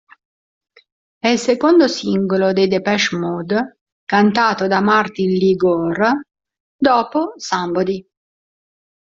È il secondo singolo dei Depeche Mode cantato da Martin Lee Gore dopo "Somebody".